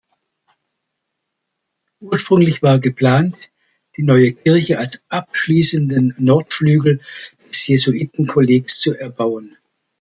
Ursprünglich war geplant die neue Kirche als abschließenden Nordflügel des Jesuitenkollegs zu erbauen.